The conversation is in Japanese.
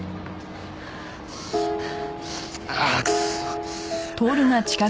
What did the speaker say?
ああクソッ。